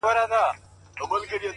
• اوس به ځي په سمندر کی به ډوبیږي ,